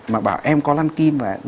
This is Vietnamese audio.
mà bảo em có lăn kim và